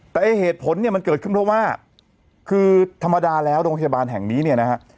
แต่เหตุผลเนี่ยมันเกิดขึ้นเพราะว่าคือธรรมดาแล้วโรงพยาบาลแห่งนี้เนี่ยนะฮะ